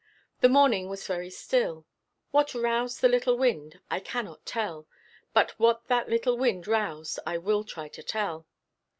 The morning was very still: what roused that little wind I cannot tell; but what that little wind roused I will try to tell.